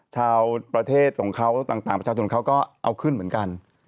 ชาวประเทศของเขาต่างประชาชนเขาก็เอาขึ้นเหมือนกัน